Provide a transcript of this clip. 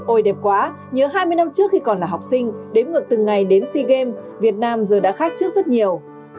ôi đẹp quá nhớ hai mươi năm trước khi còn là học sinh đếm ngược từng ngày đến sea games việt nam giờ đã khác trước rất nhiều